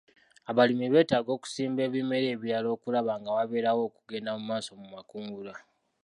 Abalimi beetaaga okusimba ebimera ebirala okulaba nga wabeerawo okugenda mu maaso mu makungula .